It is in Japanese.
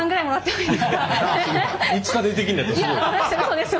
５日でできるんだったらすごいよ。